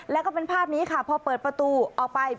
แล้วก็เป็นภาพนี้ค่ะพอเปิดประตูออกไป